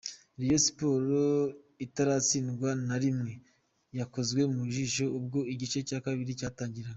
Rayon Sports itaratsindwa na rimwe yakozwe mu jisho ubwo igice cya kabiri cyatangiraga.